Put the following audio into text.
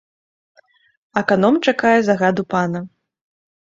Аканом чакае загаду пана.